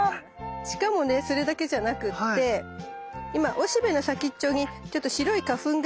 しかもねそれだけじゃなくって今おしべの先っちょにちょっと白い花粉が出てるよね。